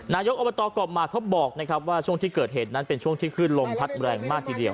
นายกอบตก่อมหมากเขาบอกนะครับว่าช่วงที่เกิดเหตุนั้นเป็นช่วงที่ขึ้นลมพัดแรงมากทีเดียว